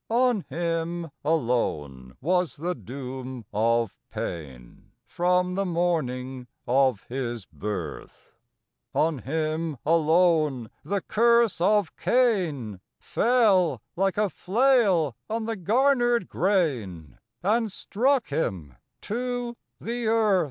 On him alone was the doom of pain, From the morning of his birth; On him alone the curse of Cain Fell, like a flail on the garnered grain, And struck him to the earth!